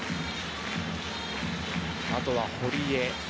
あとは塹江。